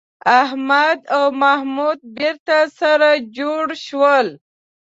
احمد او محمود بېرته سره جوړ شول